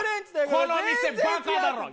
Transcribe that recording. この店バカだろヤバい！